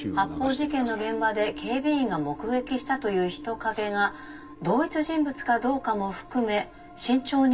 発砲事件の現場で警備員が目撃したという人影が同一人物かどうかも含め慎重に調べています。